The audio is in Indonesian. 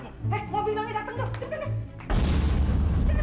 eh mobilnya dateng tuh cepet cepet